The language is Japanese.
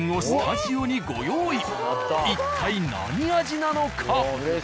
一体何味なのか？